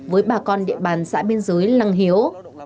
với bà con địa bàn xã biên giới lăng hiếu